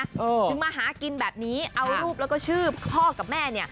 ถึงมาหากินแบบนี้เอารูปแล้วก็ชื่อพ่อกับแม่